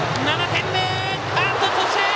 ７点目！